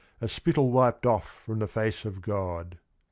. A spittle wiped off from the face of God."